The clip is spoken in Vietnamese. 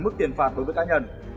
mức tiền phạt đối với cá nhân